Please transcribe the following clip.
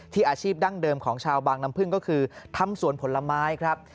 อาชีพดั้งเดิมของชาวบางน้ำพึ่งก็คือทำสวนผลไม้ครับ